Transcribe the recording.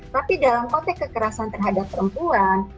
tapi dalam konteks kekerasan terhadap perempuan